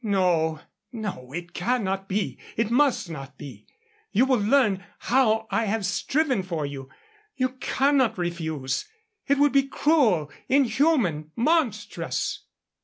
"No, no, it cannot be, it must not be. You will learn how I have striven for you. You cannot refuse. It would be cruel, inhuman, monstrous!"